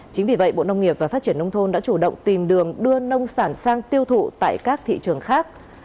chính vì vậy bộ nông nghiệp và phát triển nông thôn đã chủ động tìm đường đưa nông sản sang tiêu thụ tại các thị trường khác